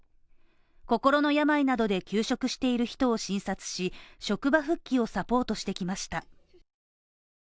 心の病などで休職している人を診察し、職場復帰をサポートしてきました。